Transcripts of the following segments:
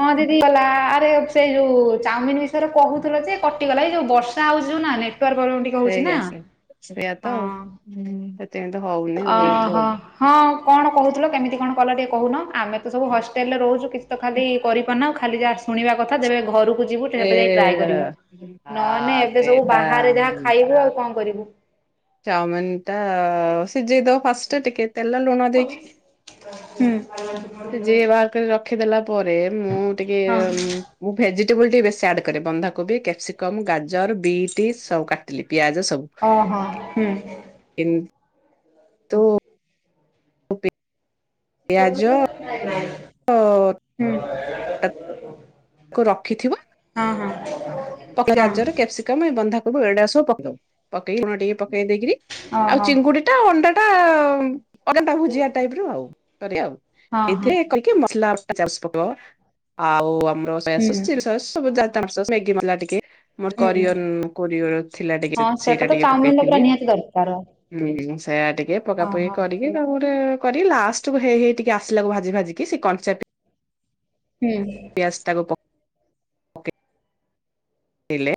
ହଁ ଦିଦି ଗଲା ଆରେ ସେଇ ଯୋଉ ଚାଉମିନ ବିଷୟରେ କହୁଥିଲ ଯେ କଟିଗଲା ଏଇ ଯୋଉ ବର୍ଷା ସେଇଆ ହଉଛି ଯୋଉନା ନେଟୱାର୍କ ପ୍ଲୋବେମ୍ ଟିକେ ହଉଛି ନା ହଁ। ହୁଁ ତେମେତ ହଉ ଅହୋ ହଁ କଣ କହୁଥିଲ କେମିତି କଣ କଲ ଟିକେ କହୁନ ଆମେ ତ ସବୁ ହଷ୍ଟେଲ ରେ ରହୁଛୁ କି ତ ଖାଲି କରିପାରୁ ନା ଖାଲି ଯାହା ଶୁଣିବା କଥା ତେବେ ଘରୁ ଘରକୁ ଯିବୁ ଏ ଏବେ ଯାଇ ଟ୍ରାଏ କରିବୁ ଆ ନହେ ନେ ଏବେ ସବୁ ସେଟା ବାହାରେ ଯାହା ଖାଇବୁ ଆଉ କଣ କରିବୁ। ଚାଉମିିନ ଟା ସିଝେଇଦବ ଫାଷ୍ଟ ଟିକେ ତେଲ ଲୁଣ ଦେଇକି। ହୁଁ। ସେ ଯିଏ ବାହାର କରି ରଖିଦେଲା ପରେ ମୁଁ ଟିକେ ହଁ ମୁଁ ଭେଜିଟେବୁଲ ଟିକେ ବେଶୀ ଆଡ୍ କରେ। ବନ୍ଧା କେବି, କ୍ୟାପ୍ସିକମ୍, ଗାଜର, ବିଟ୍ ସବୁ କାଟିଥିଲି ପିଆଜ ସବୁ। ଓହୋ ହୁଁ। କିନ ତୁ ପିଆଜ [unintelligible] ହୁଁ। ଆକୁ ରଖିଥିବ ହଁ ହଁ। ହଁ ଗାଜର କ୍ୟାପ୍ସିକମ୍ ବନ୍ଧାକୋବି ଏଡାସବୁ ପକେଇବୁ ଲୁଣଟିକେ ପକେଇ ଦେଇକିରି ଆଉ ଓହୋ ଚିଙ୍ଗୁଡି ଟା ଅଣ୍ଡା ଟା ପରଟା ଭୁଜିଆ ଟାଇପି ରୁ କରିବା ଆଉ ହଁ ହଁ ଏଥିରେ କଲ୍ କି ମସଲାଟା ଚାଷ୍ ପକୁଅ ଆଉ ଆମର ସୋୟା ହୁଁ ସସ୍ ଚିଲି ସସ୍ ସବୁ ଯା ଓହୋ ତା ମେଗି ମସଲା ଟିକେ ମୋର ହୁଁ। କରିଅର କୋରିଅର ଥିଲା ଟିକେ ହଁ ସେଟା ସେଇଟା ତ ଟିକେ ଚାଉମିନ ଟା ପୁରା ପକେଇଥିଲି। ନିହାତି ଦରକାର ହୁଁ ସେଇୟା ଟିକେ ପକା ପକି ଓହୋ କରିକି ସେଟା ଗୋଟେ କରି ଲାଷ୍ଟେକୁ ହେଇ ହେଇ ଟିକେ ଆସିଲାକୁ ଭାଜି ଭାଜିିକି ସେ କଞ୍ଚାଟିକେ ହୁଁ। ବେସେ୍ତାକୁ ପ କିଲେ।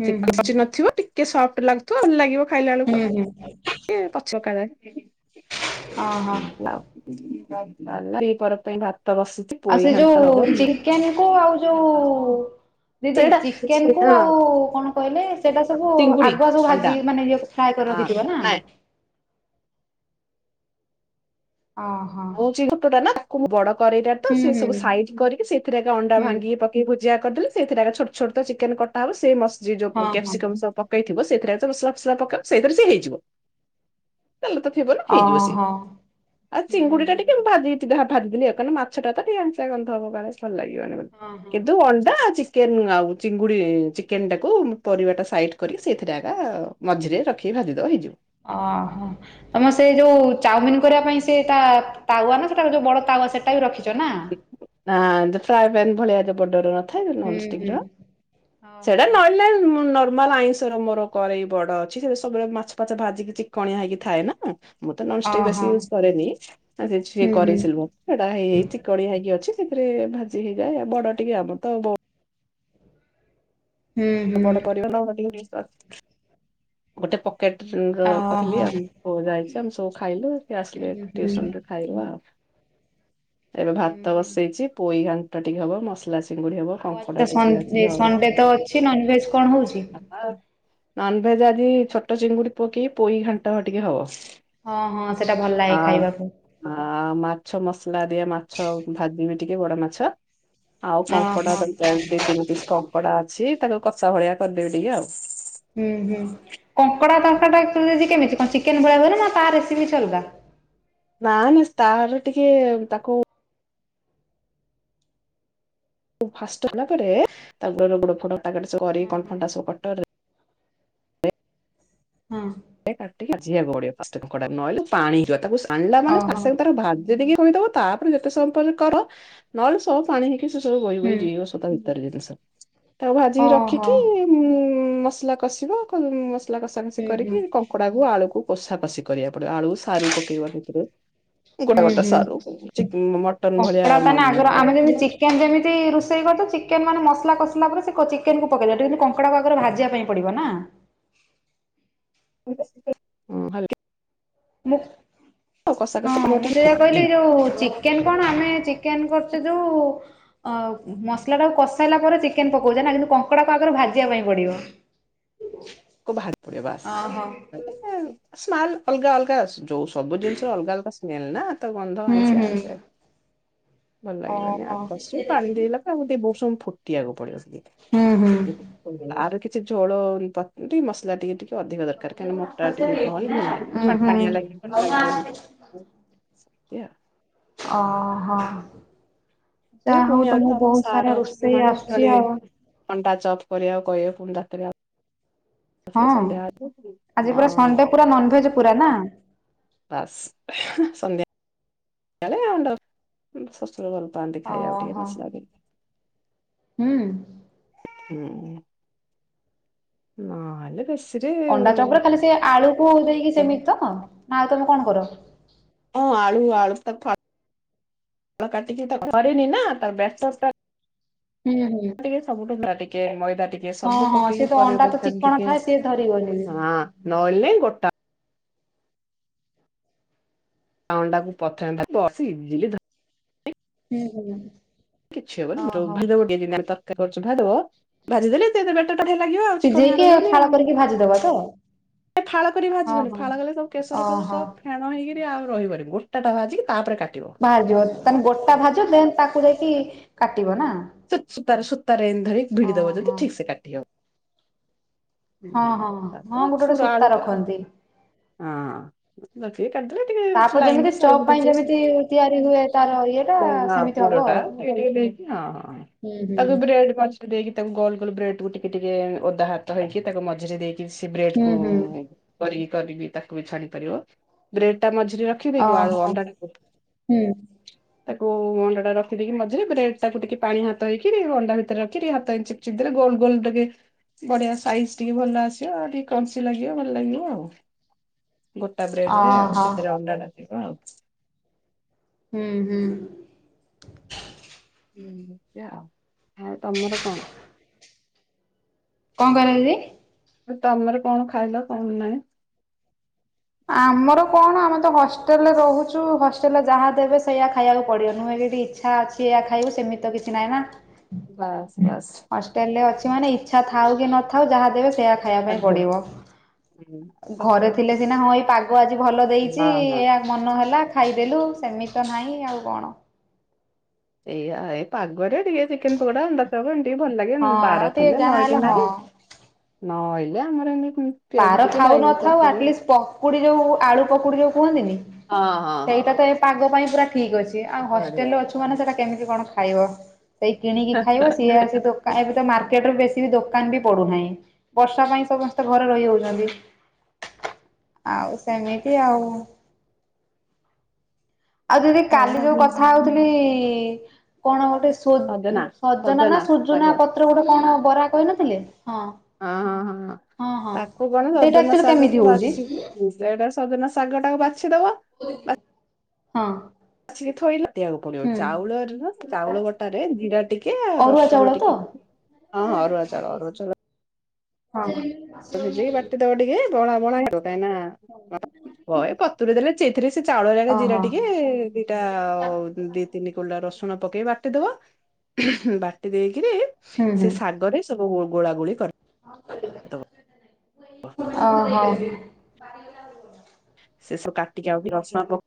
ହୁଁ ହୁଁ ଚିକନ ନଥିବ ଟିକେ ସଫ୍ଟ ଲାଗୁ ଭଲ ଲାଗିବ ଖାଇଲା ବେଳକୁ ହୁଁ ହୁଁ ଏ ପଛକାଳେ। ଅ ହ। ପଲା ଦିପହର ପାଇଁ ଭାତ ବସଚି। ଆଉ ସେ ଯୋଉ ଚିକେନେ କୁ ଆଉ ଯୋଉ ଦିଦି ସେଇଟା ଚିକେନେ କୁ ଆଉ କଣ କହିଲେ ସେଇଟା ସବୁ ଚିଙ୍ଗୁଡି ଆଗୁଆ ସବୁ ଅଣ୍ଡା ଭାଜିକି ମାନେ ଇଏ ଫ୍ରାଏ କରି ହଁ ରଖିଥିବ ନା। ନାଇଁ ହଁ। ମୁଯିଙ୍କୁଟାଟାନା ବଡ କରେଇଟା ତ ହୁଁ ସେ ହୁଁ ସବୁ ସାଇ କରିକି ସେଥିରେ ଅଣ୍ଡା ହୁଁ ଭାଙ୍ଗିକି ପ ଭୁଜିଆ କରିଦେଲେ ସେଇଥିରେ ଛୋଟ ଛୋଟ ଚିକେନେ କଟା ହବ ମସ୍ ଯୋଉ ହଁ ହଁ କ୍ୟାପିସିକମ୍ ସହ ପ ହେଇଥିବ ସେଇଥିରେ ମସଲା ଫସଲା ପକେଇବ ସେଇଥିରେ ସିଏ ହେଇଯିବତେଲ ତ ଥିବନା ହେଇଯିବ ସିଏ। ଓହୋ ହୁଁ ଚିଙ୍ଗୁଡି ଟା ହୁଁ ଟିକେ ମୁ ଭାଜି ଭାଜିଥିଲି କାହିନା ମାଛଟା ତ ଟିକେଆଇଁଷିଆ ଗନ୍ଧହବକାଳେ ଭଲ ଲାଗିବନେହିଁ ଵୋଲି। ହଁ ହଁ କିନ୍ତୁ ଅଣ୍ଡା ଚି୍ ଚିକେନ୍ ଆଉ ଚିଙ୍ଗୁଡ଼ି ଚିକେନେ ଟାକୁ ପରିବାଟା ସାଇଟ୍ କରିକି ସେଇଥିରେ ଏକା। ମଝିରେ ରଖିକି ଭାଜିଦବ ହେଇଯିବ। ଓହୋ। ତମେ ସେ ଯୋଉ ଚାଉମିନ କରିବା ପାଇଁ ସେଟା ତାୱା ନା ସେଟା ଯୋଉ ବଡ ତାୱା ସେଟା ବି ରଖିଛ ନା? ହାଁ ଯୋଉ ଫ୍ରାଏ ପ୍ୟାନ୍ ଭଳିଆ ବଡରୁମ। ନ ହୁଁ ନ୍ ହୁଁ ଷ୍ଟିକିର ଓହୋ। ସେରାନଲେନାହଁ ନର୍ମାଲ ଆଇଁଷ। ଧରମୋର କରେଇ ବଡ ଅଛି ସେ ସବୁ ମାଛ ଫାଛ ଭାଜିକି ଚିକଣିଆ ହେଇକି ଥାଏ ନା। ମୁଁ ତ ନନଷ୍ଟିକ୍ ବେଶୀ ଓହୋ ୟୁଜ୍ କରେନି ଯିଏ ହୁଁ ହୁଁ କରିଥିବ ସେଟା ହେଇ ହେଇ ଠିକ୍। କଡିଆ ହେଇକି ଅଛି ସେଥିରେ ଭାଜି ହେଇଯାଏ ବଡ ଟିକେ ଆମର ତବୋ ହୁଁ ହୁଁ ବଡ ପରିବାର ନା ଆମର ଟିକେ ଜିନିଷ ଅଛି। ଗୋଟେ ପକେଟ୍ ର କରିଲି ଓହୋ। ଆମପୁଆ ଯାଇଚି ଆମେ ସବୁ ଖାଇଲୁ ସିଏ ଆସିଲେ ହୁଁ ହୁଁ ଟିଉସନରୁ। ଖାଇମୁ ଆଉ ଏବେ ହୁଁ ଭାତ ହୁଁ ବସେଇଚି ପୋଇ ଘାଟ ଟିକେ ହବ ମସଲା ଚି ଆଉ ଆଜି ତ ଏ ସଣ୍ଡେ ତ ଅଛି ନନ୍ ଭେଜେ କଣ ହଉଛି? ଆଉ ନନ୍ ଭେଜେ ଆଜି ଛୋଟ ଚିଙ୍ଗୁଡି ପକେଇ ପୋଇ ଘାଣ୍ଟ ଟିକେ ହବ। ହଁ ହଁ ସେଇଟା ଭଲ ଆ ଲାଗେ ଖାଇବାକୁ। ଆ ମାଛ ମସଲା ଦିଆ ମାଛ ଭାଜିମି ଟିକେ ବଡ ମାଛ। ଆଉ ଓହୋ କଙ୍କଡା ଦି ତିନି ପିସ୍ କଙ୍କଡା ଅଛି ତାକୁ କସା ଭଳିଆ କରିଦେବି ଟିକେ ଆଉ। ହୁଁ ହୁଁ କଙ୍କଡା ତରକାରିଟା ତିଆରିହୋଉଚି କେମିତି କଣ ଚିକେନେ ଭଳିଆ କର ନା ତା ରେସିପି କିଛି ଅଲଗା? ନା ନା ତାର ଟିକେ ତାକୁ ଫାଷ୍ଟେ ହେଲା ପରେ ତା ଗୋଡ ଫୋଡ କଟା କଟି ସବୁ କରିକି ହଁ ହଁ। କଟରେ ହଁ। କାଟିକି ଭାଜିବାକୁ ପଡ଼ିବ ଫାଷ୍ଟେ ନହେଲେ ପାଣି ହେଇଯିବ ତାକୁ ଛାଣିଲା ମାନେ ସାଙ୍ଗେ ଓହୋ ସାଙ୍ଗେ ତାକୁ ଭାଜି ଦେଇକି ଥୋଇଦବ। ତାପରେ ଯେତେ ସମୟ ପରେ କର, ନହଲେ ସବୁ ପାଣି ହେଇକି ସେ ସବୁ ବହି ବହି ହୁଁ ଯିବ୍ ସ ତାକୁ ଭାଜିକି ଓହୋ ରଖିକି, ମସଲା କଷିବ, କ ମ ମସଲା କଷା କଷି ହୁଁ ହୁଁ କରିକି କଙ୍କଡାକୁ ଆଳୁକୁ କୋଷା କଷି କରିବାକୁ ପଡିବ, ଆଳୁ ସାରୁ ପକେଇବ ସେଥିରେ। ଗୋଟେ ହୁଁ ଗୋଟେ ହୁଁ। ସାରୁ, [unintelligible] ମଟନ୍ ଭଳିଆ କେ ଯେମିତି ରୋଷେଇ କରିଚ, ଚିକେନ୍ ମାନେ ମସଲା କସିଲା ପରେ ସେ ଚିକେନ୍ କୁ ପକେଇ ଦେବା, ଏଠି କିନ୍ତୁ କଙ୍କଡ଼ାକୁ ଆଗରେ ଭାଜିବା ପାଇଁ ପଡିବ ନା। [unintelligible] ମୁଁ, କଷା କଷି ହଁ ତମର ମୁଁ ଟିକେ ସେଇଆ ଫୁଟିବ କହିଲି ଯୋଉ ଚି ଚିକେନ୍ କଣ, ଆମେ ଚିକେନ୍ କରୁଚେ ଯୋଉ ଅ ମସଲା ଟାକୁ କଷି ସାଇଲା ପରେ ଚିକେନ୍ ପକଉଚେନା କିନ୍ତୁ କଙ୍କଡା କୁ ଆଗରୁ ଭାଜିବା ପାଇଁ ପଡିବ। [unintelligible] ବାହାରି ପଡିବ ବାସ୍, ଓହୋ ସ୍ମାଲ୍ ଅଲଗା ଅଲଗା ଅ ଯୋଉ ସବୁ ଜିନିଷ ର ଅଲଗା ଅଲଗା ସ୍ମେଲ ନା, ତ ଗନ୍ଧ ହୁଁ ଆଇଁସିଆ ହୁଁ ଆଇଁସିଆ ଭଲ ଲାଗିବନି, ଓହୋ ଆଉ ଫାଷ୍ଟରୁ ପାଣି ଦେଇଲା [unintelligible] ବହୁତ ସମୟ ଫୁଟିବାକୁ ପଡିବ ସିଏ, ହୁଁ ହୁଁ। ତାର କିଛି ଝୋଳ ଏମିତିକି ମସଲା ଟିକେ ଟିକେ ଅଧିକ ଦରକାର, କାହିଁକି ନା ମୋଟା ଟିକେ ନହେଲେ, ଭଲ ଉଁ ଲାଗିବନି, ହୁଁ ପାଣିଆ ଲାଗିଲେ, ଭଲ ଲାଗିବନି। ସେମ୍ ତି ଆଉ। ଓହୋ, ଦିଅ ଯାହା ପୁଣି ହଉ ଆଉ ତ ତମକୁ ଆମ ବହୁତ ସାର୍ ସାରା ଅଛନ୍ତି ରୋଷେଇ ମାନେ ପୁଣି ଆସୁଚି ଆଉ। ଅଣ୍ଡା ଚପ୍ କରିବାକୁ କହିବେ ଫୁଣି ରାତିରେ ଆଉ ଥରେ ହଁ, ସନ୍ଧ୍ୟା ବେଳକୁ ଆଜି ପୁରା ସଣ୍ଡେ ହଁ ପୁରା ନନ୍ ଭେଜ ପୁରା ନା? ବାସ୍, ସନ୍ଧ୍ୟା [unintelligible] ଶଶୁର ଭଲ ପାଆନ୍ତି। ଖାଇବାକୁ ଟିକେ ଓହୋ, ମସଲା ଦେଇକି। ହୁଁ। ହୁଁ, ନହେଲେ ବେଶ୍ ଅଣ୍ଡା ଚପ୍ ରେ ଖାଲି ସେ ଆଳୁକୁ ଦେଇକି ସେମିତି ତ, ନା ଆଉ ତମେ କଣ କର? ହଁ ଆଳୁ, ଆଳୁ [unintelligible] କାଟିକି କରିନି ନା, ତ [unintelligible] ହୁଁ ହୁଁ। ଟିକେ, ସବୁଠୁ [unintelligible] ଟିକେ, ମଇଦା ଟିକେ, ହଁ ସବୁ ହଁ ସେ ପକେଇକି ତ କରିବ ଅଣ୍ଡା ତ ବ୍ୟାଟନ ଚିକଣ ଟିକେ, ଥାଏ ସିଏ ଧରିବନି ବି। ହଁ। ନହଲେ ନାଇଁ ଗୋଟା ଅଣ୍ଡାକୁ ପ୍ରଥମେ [unintelligible] ହୁଁ ହୁଁ। କିଛି ହବନି, ଓହୋ [unintelligible] ଭାଜିଦବ ଭାଜି ଦେଲେ [unintelligible] ଆ ବଢିଆ ଲାଗିବ, ଆଉ ଚିକଣିଆ ସିଝେଇକି ରହିବନି ଫାଳ ଆଉ। କରିକି ଭାଜିଦବା ତ? ଫାଳ କରି ହଁ ଭାଜିବନି, ହଁ। ଫାଳ କଲେ ସବୁ କେଶର ଫେସର୍ ଓହୋ ସବ୍ ଫେଣ ହେଇକିରି ଆଉ ରହିବନି, ଗୋଟାଟା ଭାଜିକି ତାପରେ କାଟିବ। ବାହାରିଯିବ, ତାହେଲେ ଗୋଟା ଭାଜ ଦେନ୍ ତାକୁ ଯାଇକି କାଟିବ ନା? ସୂ ସୂତାରେ, ସୂତାରେ ଏମିତି ଧରି ଭିଡି ଦବ ଓହୋ। ଯଦି ଠିକ୍ ସେ କାଟି ହବ। ହୁଁ, ହଁ ହଁ ହଁ ତାକୁ ଗୋଟେ ଗୋଟେ ପୁରା ସୂତା ଆଣୁଚ ଆଉ। ରଖନ୍ତି। ହଁ, [unintelligible] ତାପରେ ଯେମିତି ଚପ୍ ପାଇଁ ଯେମିତି ତିଆରି ହୁଏ ତାର ଇଏଟା ନା ସେମିତି ହବ ପୁରଟା, ଆଉ। [unintelligible] ହଁ ହଁ। ହୁଁ ହୁଁ ତାକୁ ବ୍ରେଡ୍ ମଝିରେ ଦେଇକି, ତାକୁ ଗୋଲ୍ ଗୋଲ୍ ବ୍ରେଡ୍ କୁୁ ଟିକେ ଟିକେ ଓଦା ହାତ ହେଇକି, ତାକୁ ମଝିରେ ଦେଇକି ସେ ବ୍ରେଡ୍ ହୁଁ କୁ ହୁଁ କରିକି, କରିକି ତାକୁ ବି ଛାଣି ପାରିବ, ବ୍ରେଡ୍ ଟା ମଝିରେ ର ରଖିଦେଇକି, ଆଉ ଓହୋ ଅଣ୍ଡା ଟାକୁ ହୁଁ। ତାକୁ ଅଣ୍ଡା ଟା ରଖିଦେଇକି ମଝିରେ, ବ୍ରେଡ୍ ଟାକୁ ଟିକେ ପାଣି ହାତ ହେଇକି, ତାକୁ ଅଣ୍ଡା ଭିତରେ ରଖି ଟିକେ ହାତ ଏମିତି ଚିପ୍ [unintelligible] ଗୋଲ ଗୋଲ ଟିକେ ବଢିଆ। ସାଇଜ ଟିକେ ଭଲ ଆସିବ ଆଉ ଟିକେ କ୍ରଞ୍ଚି ଲାଗିବ ଭଲ ଲାଗିବ ଆଉ। ଗୋଟା ବ୍ରେଡରେ ଆଉ ଓହୋ ଭିତରେ ଅଣ୍ଡାଟା ଥିବ ଆଉ। ହୁଁ ହୁଁ। ହୁଁ ଆଉ ଆଉ ତମର କଣ? କଣ କହିଲ ଦିଦି? ତମର କଣ ଖାଇଲ କଣ ନାହିଁ? ଆମର କଣ ଆମେ ତ ହଷ୍ଟେଲରେ ରହୁଛୁ ହଷ୍ଟେଲରେ ଯାହା ଦେବେ ସେଇଆ ଖାଇବାକୁ ପଡିବ। ନୁହେଁ ଏଠି ଇଚ୍ଛା ଅଛି ଏହା ଖାଇବକୁ ସେମିତି କିଛି ନାହିଁ ନା। ବାସ୍ ବାସ୍। ହଷ୍ଟେଲରେ ଅଛି ମାନେ ଇଚ୍ଛା ଥାଉ କି ନଥାଉ ଯାହା ଦେବେ ସେଇଆ ଖାଇବା ପାଇଁ ଖାଦ୍ୟ। ପଡିବ। ହୁଁ ସତ ଘରେ ଥିଲେ କଥା। ସିନା ହଁ ଏଇ ପାଗ ଆଜି ଭଲ ଦେଇଛି ହଁ ହଁ ଏ ମନ ହେଲା ଖାଇଦେଲୁ ସେମିତି ତ ନାହିଁ ଆଉ କଣ। ଏଇଆ ଏ ପାଗରେ ଟିକେ ଚିକେନ ପକୋଡା ଅଣ୍ଡାଚପ୍ ଏମିତି ଟିକେ ଭଲ ଲାଗିବ ନହେଲେ ହଁ ବାର ଟିକେ ଥିଲେ ଯାହାହେଲେ ନହଲେ ହଁ। ନାଇଁ। ନହଲେ ଆମର ଏ ବାର ଥାଉ ନଥାଉ ଆଟଲିଷ୍ଟ ପକୁଡି ଯୋଉ ଆଳୁ ପକୁଡି ଯୋଉ କୁହନ୍ତିନି। ହଁ ହଁ ସେଇଟା ତ ହଁ। ଏ ପାଗ ପାଇଁ ପୁରା ଠିକ ଅଛି। ଆଉ ବଢିଆ ହଷ୍ଟେଲରେ ଅଛୁ ମାନେ ସେଟା କେମିତି କଣ ଖାଇବ। ସେଇ କିଣିକି ଖାଇବ, ସିଏ ଆସି ଦୋ କାଇଁ, ଏବେତ ମାର୍କେଟରେ ବେଶିବି ଦୋକାନ ବି ପଡୁନାହିଁ। ବର୍ଷା ପାଇଁ ସମସ୍ତ ଘରେ ରହି ହଉଛନ୍ତି, ଆଉ ସେମିତି ଆଉ। ଆଉ ଦିଦି ହଉ କାଲି ଯୋଉ ଭାବି କଥା ହଉଥିଲି କଣ ଗୋଟେ ସୁ ସଜନା ସଜନା ନା ଶାଗ ସୁଜୁନା ପତ୍ର ଗୋଟେ କଣ ବରା କହିନଥିଲେ? ହଁ। ହଁଁ ହଁ ହଁ। ତାକୁ କଣ ସେଇଟା ସଜନା ଆକ୍ଚୁଆଲି କେମିତି ଶାଗକୁ ହଉଛି? ବାଛିକି ସେଇଟା ସଜନା ଶାଗଟାକୁ ବାଛିଦବ। ହଁ। ଆସିକି ଥୋଇଲା। ବାକୁ ପଡ଼ିବ ହୁଁ ଚାଉଳରେ ନା ଚାଉଳ ବଟାରେ ଜିରା ଟିକେ, ଅରୁଆ ଚାଉଳ ରସୁଣ ତ? ଟିକେ ହଁ ହଁ, ଅରୁଆ ଚାଉଳ, ଅରୁଆ ଚାଉଳ। ହଁ। ଭିଜେଇକି ବାଟି ଦବ ଟିକେ, ବହଳା ବହଳା ହବ, କାହିଁନା ହଉ। ତୁରେ ଦେଲେ ସେଥିରେ ସେ ଚାଉଳରେ ଏକା ଜିରା ଟିକେ ଦିଟା ଦି ତିନି କୁଲା ରସୁଣ ପକେଇ ବାଟିଦବା। ବାଟି ଦେଇକିରି ହୁଁ ସେ ଶାଗରେ ସବୁ ଗୋଳା ଗୋଳି କରି ଓ ହୋ। ସେସବୁ କାଟିକି ଆଉ [unintelligible]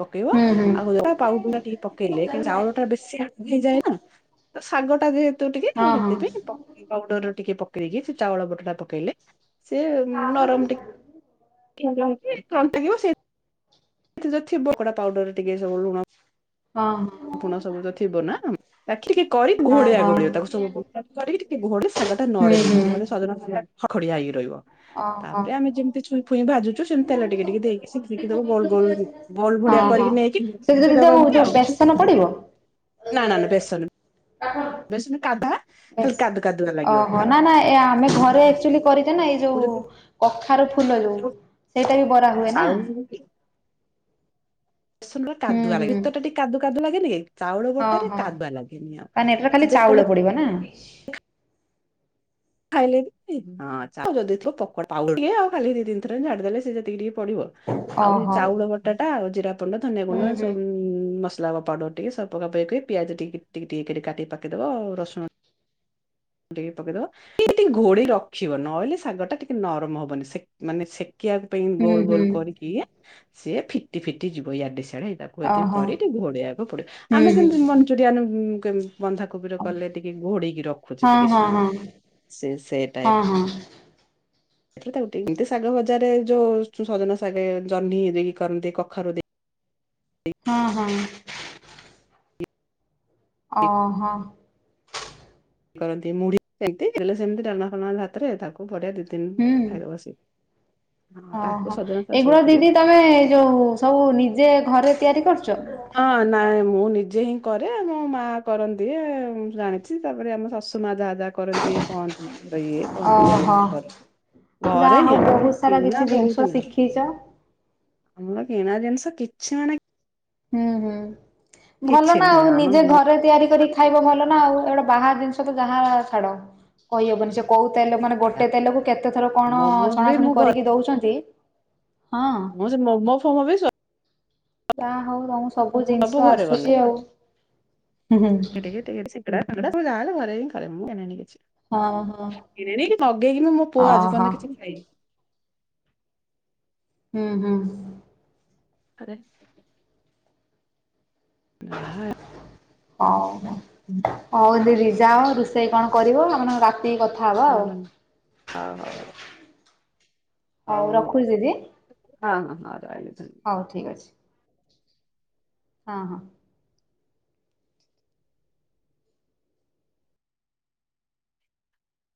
ପକେଇଲେ କିନ୍ତୁ ଚାଉଳଟା ବେଶୀ ଭାଜି ହେଇଯାଏ ନା। ତ ଶାଗଟା ଯେହେତୁ ଟିକେ ଓହୋ। ହେଥିରେ ପ କି ପାଉଡ଼ରରୁ ଟିକେ ପକେଇକି ସେ ଚାଉଳ ବଟାଟା ପକେଇଲେ ସେ ନରମ ଟି [unintelligible] ଏଥି ଯୋଉ ଥିବ କଡ଼ା ପାଉଡ଼ର ଟିକେ ଯୋଉ ଲୁଣ ହଁ ହଁ। ପୁଣା ସବୁ ତ ଥିବ ନା। ତାକି ଟିକେ କରି [unintelligible] ସଜନା ଶାଗ ହୁଁ ହୁଁ। ଖଡ଼ଖଡ଼ିଆ ହେଇ ରହିବ। ଓହୋ। ତାପରେ ଆମେ ଯେମିତି ଛୁଇଁ ଫୁଇଁ ଭାଯୁଛୁ ସେମିତି ତେଲ ଟିକେ ଟିକେ ଦେଇକି ସେକି ସେକି ଦବ ଗୋଲ ଗୋଲ କି। ବଲ ଭଡ଼ିଆ ହଁ କରିକି ନେଇକି ଚିପିଦବ ଏମିତି ଆଉ। ପଡ଼ିବ? ନା ନା ନା ବେସନ ବେସନ କାଭା ବେଶ ଓହୋ ନା ନା ଏ ଆମେ ଘରେ ଏକ୍ଚୁଅଲି କରିଚି ନା ଏଇ ତାକୁ ଯୋଉ ଯଦି କଖାର ଫୁଲ ଯୋଉ ସେଇଟା ବି ବରା ହୁଏ ନା। ଚାଉଳ ବେସନ ଟା ହୁଁ କାଦୁଆ ଲାଗେ ହୁଁ ଭିତରଟା ଟିକେ କାଦୁ କାଦୁ ଲାଗେ ଟିକେ। ଚାଉଳ ହଁ ବଟାରେ କାଦୁଆ ଲାଗେନି ଆଉ ସେ ଯେତେବେଳେ ପଡ଼ିବନା ଖାଇଲେ [unintelligible] ଖାଲି ଦି ତିନିଥର ଏମିତି ଝାଡ଼ିଦେଲେ ସିଏ ଯେତିକି ଟିକେ ପଡ଼ିବ ଆଉ ସେ ଓହୋ ଚାଉଳ ବଟାଟା ଆଉ ଜିରା, [unintelligible] ଧନିଆ ହୁଁ ଗୁଣ୍ଡ ଏମିତି ହୁଁ। ସବୁ ମସଲା ପାଉଡ଼ର ଟିକେ ସ ପକ ପିଆଜ ଟି ଟିକି ଟିକି କରି କାଟିକି ପକେଇଦବା ଆଉ ରସୁଣ ଟିକେ ପକେଇଦବ ଟିକେ ଟିକେ ଘୋଡ଼ିଇ ରଖିବ ନହେଲେ ଶାଗଟା ଟିକେ ନରମ ହବନି ସେକ ମାନେ ସେକିବା ପାଇଁ ହୁଁ ଗୋଲ ହୁଁ ଗୋଲ କରିକି ସିଏ ଫିଟି ଫିଟି ଯିବ ୟାଡେ ସିଆଡ଼େ ହେଇ କୁ ଏତିକି ଓହୋ କରିକି ଘୋଡ଼େଇବାକୁ ପଡ଼େ, ହୁଁ ଆମେ ହୁଁ। କେମିତି ମଞ୍ଚୁରିଆନ୍ କରି ବନ୍ଧା କୁବିର କଲେ ଟିକେ ଘୋଡିକି ର ହଁ ହଁ ହଁ ହଁ ହଁ। ସେ ତାକୁଟେ ଏମିତି ଶାଗ ଭଜାରେ ଯୋଉ ସଜନା ଶାଗ ଜହିଁ ଦେଇକି କରନ୍ତି କଖାରୁ ଦେ ହଁ ହଁ। ଅହ। କରନ୍ତି ମୁଢ଼ି [unintelligible] ଦେଲେ ସେମିତି ଡାଲମା ଫାଲମା ଭାତରେ ତାକୁ ବଢିଆ ଦି ତିନିଦିନ ହୁଁ। ଖାଇଦବ ସେ। ଓହୋ ଏଇଗୁଡା ପ୍ରିୟ। ଦିଦି ତମେ ଯୋଉ ସବୁ ନିଜେ ଘରେ ତିଆରି କରୁଚ? ହଁ ନାଇଁ ମୁଁ ନିଜେ ହିଁ କରେ ଆମ ମା କରନ୍ତି ଜାଣିଚି ତାପରେ ଆମ ଶଶୁ ମା ଯାହା ଯାହା କରନ୍ତି କହନ୍ତି ଇଏ କହନ୍ତି ଯାଏ ଓହୋ ଏମିତି କର। ଯାହା ଘରେ ହଉ ହିଁ ଆମର ବହୁତ ସାରା କିଛି କିଣା ଜିନିଷ ବହୁତ ନାହିଁ। ଶିଖିଛ। ଆମର କିଣା ଜିନିଷ କିଛି ମାନେ ହୁଁ ହୁଁ ଭଲ କିଛି ନା ନାହିଁ ଆଉ ଆମ ନିଜେ ଘରେ ତିଆରି କରିକି ଖାଇବ ଭଲ ନା ଆଉ ଏଇଗୁଡା ବାହାର ଜିନିଷ ତ ଯାହା ଛାଡ। କହିହବନି ସେ କୋଉ ତେଲ ମାନେ ଗୋଟେ ତେଲକୁ କେତେଥର କଣ ମୋମୋ ବି ଛଣାଛୁଣି ମୁଁ ଘରେ କରିକି ଦଉଛନ୍ତି ହଁ ମୋମ ଫୋମ ବି ସ ଯାହା ହଉ ତମ ସବୁ ଜିନିଷ ଘରେ ବନାଏ। ଆସୁଚି ଆଉ ହୁଁ। ସିଙ୍ଗଡ଼ା ଫିଙ୍ଗଡ଼ା ଯାହା ହେଲେ ଘରେ ହିଁ ମୁଁ କରେ କିଣେନି କିଛି। ହଁ ହଁ କିଣେନି କି ମଗେଇକି ମୋ ପୁଅ ଆଜି ଓହୋ ପର୍ଯ୍ୟନ୍ତ କିଛି ଖାଇନି। ହୁଁ ହୁଁ। ଆରେ ହା ହଉ ହଉ ଦିଦି ଯାଅ ରୋଷେଇ କଣ କରିବ ଆମେ ରାତିକି କଥା ହବା। ହଁ ଆଉ। ହଉ ହଉ। ହଉ ରଖୁଛି ଦିଦି ହଁ ହଁ ରହିଲି ଧନ୍ୟ ହଉ ଠିକ୍ ଅଛି। ହଁ ହଁ।